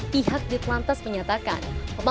pihak ditelantas menyatakan